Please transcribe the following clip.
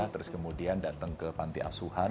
terus kemudian datang ke panti asuhan